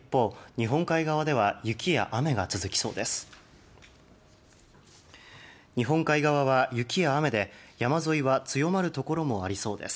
日本海側は雪や雨で、山沿いは強まるところもありそうです。